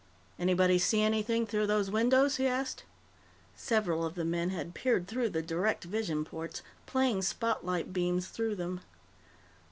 "Anybody see anything through those windows?" he asked. Several of the men had peered through the direct vision ports, playing spotlight beams through them.